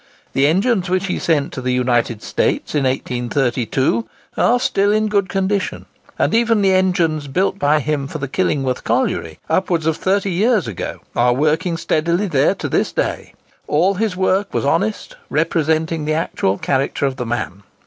The engines which he sent to the United States in 1832 are still in good condition; and even the engines built by him for the Killingworth Colliery, upwards of thirty years ago, are working steadily there to this day. All his work was honest, representing the actual character of the man.